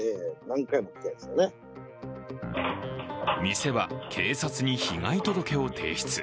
店は警察に被害届を提出